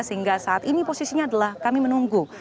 sehingga saat ini posisinya adalah kami menunggu